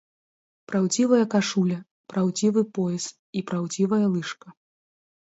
Праўдзівая кашуля, праўдзівы пояс і праўдзівая лыжка.